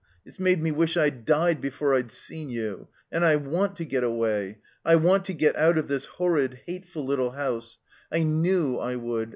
It's made me wish I'd died before I'd seen you. And I want to get away. I want to get out of this horrid, hateful little house. I knew I would.